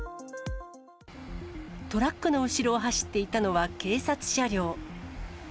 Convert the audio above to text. トラックの後ろを走っていたのは警察車両。